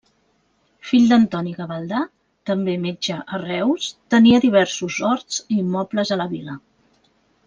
Fill d'Antoni Gavaldà, també metge a Reus, tenia diversos horts i immobles a la vila.